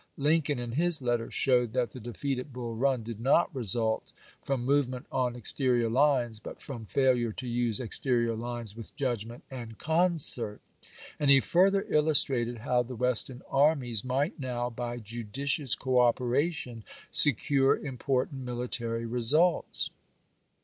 Lincoln in his letter showed that the defeat at Bull Run did not result from movement on ex terior lines, but from failure to use exterior lines with judgment and concert ; and he further illus trated how the Western armies might now, by judicious cooperation, secure important military results.